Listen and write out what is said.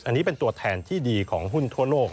อันนี้เป็นตัวแทนที่ดีของหุ้นทั่วโลก